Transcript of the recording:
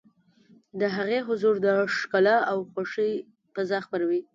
د هغې حضور د ښکلا او خوښۍ فضا خپروي.